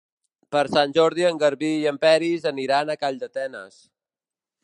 Per Sant Jordi en Garbí i en Peris aniran a Calldetenes.